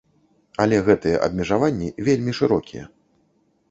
Але гэтыя абмежаванні вельмі шырокія.